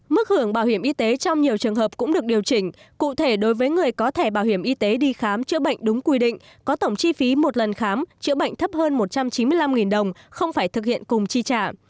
mức hưởng bảo hiểm y tế trong nhiều trường hợp cũng được điều chỉnh cụ thể đối với người có thẻ bảo hiểm y tế đi khám chữa bệnh đúng quy định có tổng chi phí một lần khám chữa bệnh thấp hơn một trăm chín mươi năm đồng không phải thực hiện cùng chi trả